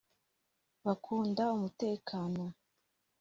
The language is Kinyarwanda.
bakunda umutekano